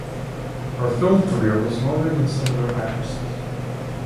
Her film career was longer than similar actresses.